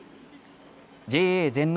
ＪＡ全農